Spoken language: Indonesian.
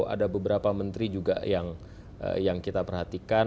ada beberapa menteri juga yang kita perhatikan